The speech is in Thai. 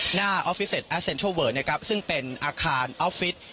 ออฟฟิศแอสเซ็นทรัลเวิร์ดนะครับซึ่งเป็นอาคารออฟฟิศ